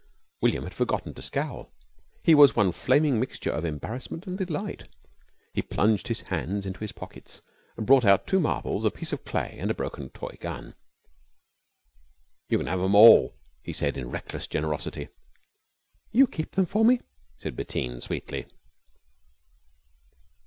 William had forgotten to scowl. He was one flaming mixture of embarrassment and delight. He plunged his hands into his pockets and brought out two marbles, a piece of clay, and a broken toy gun. "You can have 'em all," he said in reckless generosity. "You keep 'em for me," said Bettine sweetly.